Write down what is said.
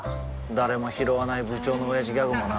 誰もひろわない部長のオヤジギャグもな